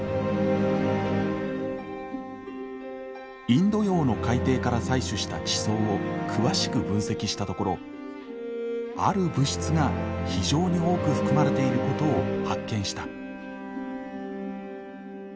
インド洋の海底から採取した地層を詳しく分析したところある物質が非常に多く含まれていることを発見した。